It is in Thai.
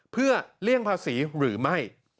เพื่อเลี่ยงภาษีหรือไม่